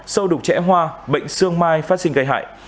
sâu đục trẻ hoa bệnh sương mai phát sinh gây hại